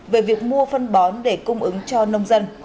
về việc mua phân bón để cung ứng cho nông dân